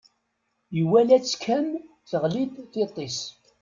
Iwala-tt kan, teɣli-d tiṭ-is.